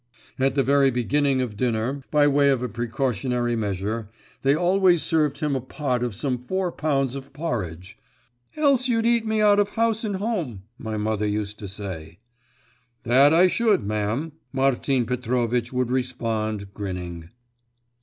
At the very beginning of dinner, by way of a precautionary measure, they always served him a pot of some four pounds of porridge, 'else you'd eat me out of house and home,' my mother used to say. 'That I should, ma'am,' Martin Petrovitch would respond, grinning.